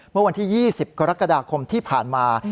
เมื่อวันที่๒๐กรกฎาคมที่ผ่านมา